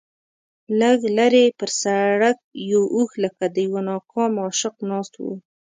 لږ لرې پر سړک یو اوښ لکه د یوه ناکام عاشق ناست و.